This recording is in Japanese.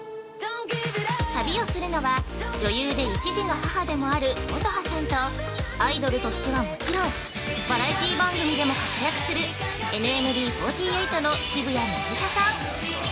旅をするのは、女優で一児の母でもある乙葉さんとアイドルとしてはもちろんバラエティ番組でも活躍するＮＭＢ４８の渋谷凪咲さん。